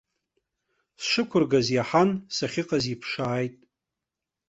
Сшықәыргаз иаҳан, сахьыҟаз иԥшааит.